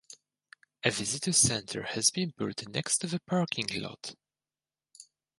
A visitor center has been built next to the parking lot.